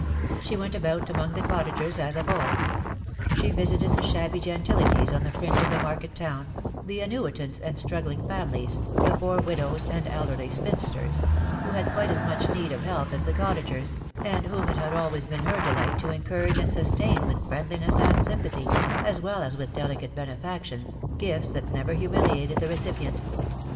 She went about among the cottagers as of old ; she visited the shabby gentilities on the fringe of the market town, the annuitants and struggling families, the poor widows and elderly spinsters, who had quite as much need of help as the cottagers, and whom it had always been her delight to encourage and sustain with friendliness and sympathy, as well as with delicate benefactions, gifts that never humiliated the recipient.